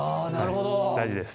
大事です。